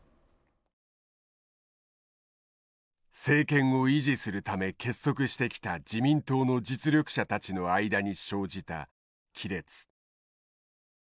政権を維持するため結束してきた自民党の実力者たちの間に生じた亀裂。